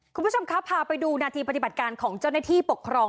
คุณผู้ชมครับพาไปดูนาทีปฏิบัติการของเจ้าหน้าที่ปกครอง